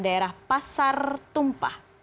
daerah pasar tumpah